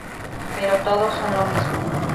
Pero todos son lo mismo.